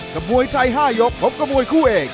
กระมวยไทย๕ยกพบกับกระมวยคู่เอก